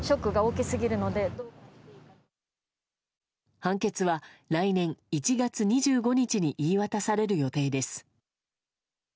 判決は来年１月２５日に言い渡される予定です。